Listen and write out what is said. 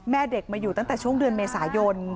แม่เด็กมาอยู่ตั้งแต่ช่วงเดือนเมษายน